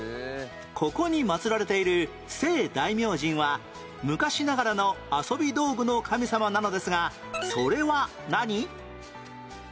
ここに祀られている精大明神は昔ながらの遊び道具の神様なのですがそれは何？